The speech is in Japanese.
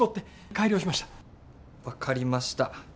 分かりました。